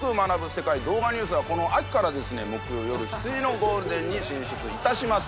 世界動画ニュース』はこの秋からですね木曜よる７時のゴールデンに進出いたします。